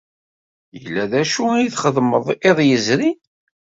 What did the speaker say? Yella d acu i txedmeḍ iḍ yezrin?